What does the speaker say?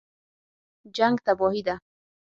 جنګ تباهي ده